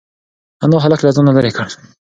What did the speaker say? انا هلک له ځانه لرې کړ.